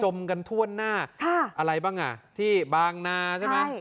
มกันทั่วหน้าอะไรบ้างอ่ะที่บางนาใช่ไหม